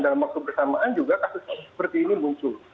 dalam waktu bersamaan juga kasus kasus seperti ini muncul